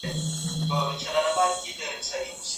دا ورځ ګرمه ده